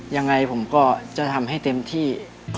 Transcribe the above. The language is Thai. ยังไงผมก็จะทำให้เต็มที่